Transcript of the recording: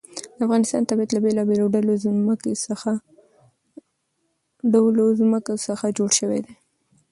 د افغانستان طبیعت له بېلابېلو ډولو ځمکه څخه جوړ شوی دی.